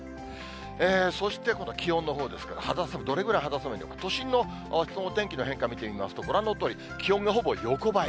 そして今度気温のほうですけど、肌寒い、どれぐらい肌寒いのか、都心のあすのお天気の変化見てみますと、ご覧のとおり、気温がほぼ横ばい。